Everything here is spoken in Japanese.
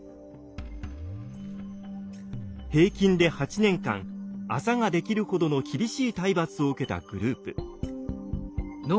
平均で８年間あざができるほどの厳しい体罰を受けたグループ。